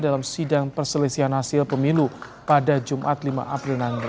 dalam sidang perselisihan hasil pemilu pada jumat lima april nanti